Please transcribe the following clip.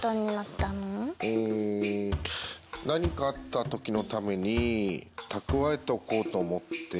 うん何かあった時のために蓄えておこうと思って。